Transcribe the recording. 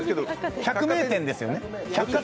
百名店ですよね。